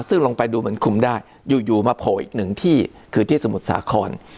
ซึ่งลงไปดูเหมือนคุมได้อยู่มาโผล่อีกหนึ่งที่คือที่สมุทรสาคร